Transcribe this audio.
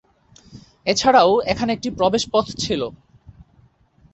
এছাড়াও এখানে একটি প্রবেশপথ ছিল।